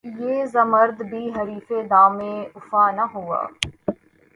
یہ زمّرد بھی حریفِ دمِ افعی نہ ہوا